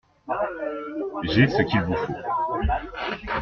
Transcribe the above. J’ai ce qu’il vous faut.